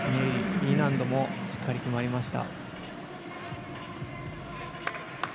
Ｅ難度もしっかり決まりました。